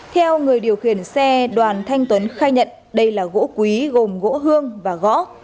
theo người điều khiển xe đoàn thanh tuấn khai nhận đây là gỗ quý gồm gỗ hương và gõ